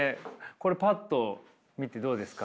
これパッと見てどうですか？